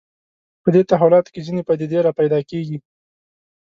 په دې تحولاتو کې ځینې پدیدې راپیدا کېږي